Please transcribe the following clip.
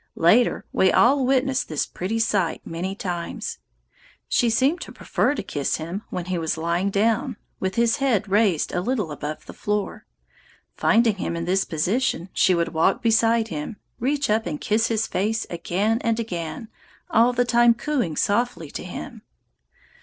Later, we all witnessed this pretty sight many times. She seemed to prefer to kiss him when he was lying down, with his head raised a little above the floor. Finding him in this position, she would walk beside him, reach up and kiss his face again and again, all the time cooing softly to him.